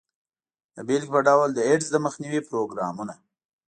د بیلګې په ډول د ایډز د مخنیوي پروګرامونه.